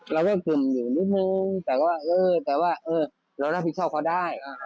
เราเรียกกลุ่มอยู่นิดนึงแต่ว่าเออแต่ว่าเออเรารับผิดชอบเขาได้